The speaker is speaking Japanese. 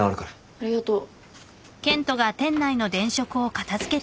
ありがとう。